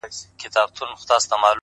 هندو نه یم- خو بیا هم و اوشا ته درېږم-